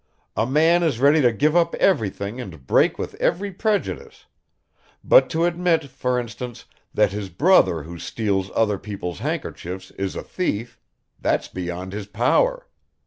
A man is ready to give up everything and break with every prejudice; but to admit, for instance, that his brother who steals other people's handkerchiefs is a thief that's beyond his power.